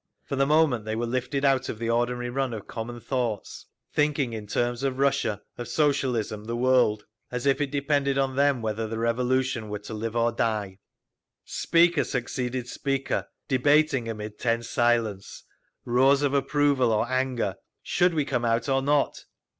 For the moment they were lifted out of the ordinary run of common thoughts, thinking in terms of Russia, of Socialism, the world, as if it depended on them whether the Revolution were to live or die…. Speaker succeeded speaker, debating amid tense silence, roars of approval, or anger: should we come out or not?